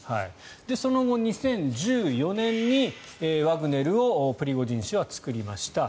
その後２０１４年にワグネルをプリゴジン氏は作りました。